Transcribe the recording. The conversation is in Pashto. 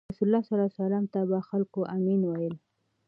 رسول الله ﷺ ته به خلکو “امین” ویل.